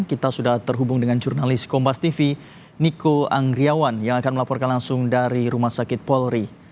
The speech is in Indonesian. kita sudah terhubung dengan jurnalis kompas tv niko anggriawan yang akan melaporkan langsung dari rumah sakit polri